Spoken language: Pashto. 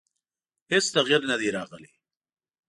هېڅ تغیر نه دی راغلی.